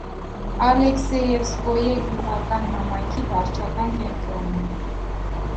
Ալեքսեևսկոյե գյուղական համայնքի վարչական կենտրոնն է։